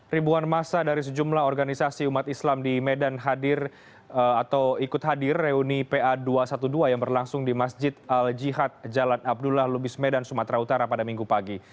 ribuan masa dari sejumlah organisasi umat islam di medan hadir atau ikut hadir reuni pa dua ratus dua belas yang berlangsung di masjid al jihad jalan abdullah lubis medan sumatera utara pada minggu pagi